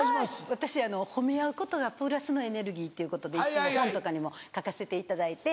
私褒め合うことがプラスのエネルギーっていうことでいつも本とかにも書かせていただいて。